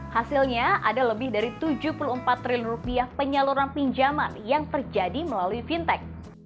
hasilnya ada lebih dari tujuh puluh empat triliun rupiah penyaluran pinjaman yang terjadi melalui fintech